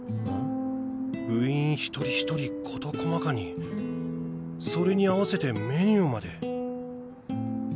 部員１人１人事細かにそれに合わせてメニューまで。